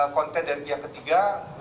konten dari pihak ketiga